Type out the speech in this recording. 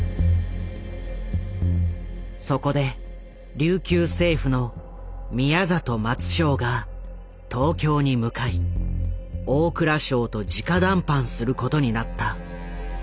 そこで琉球政府の宮里松正が東京に向かい大蔵省とじか談判することになった。